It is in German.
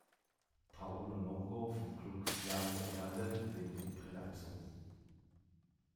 Paolo Longo von Klub "Fiamme Gialle" lebt in Predazzo.